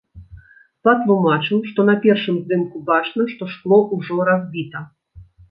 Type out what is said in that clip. Патлумачыў, што на першым здымку бачна, што шкло ўжо разбіта.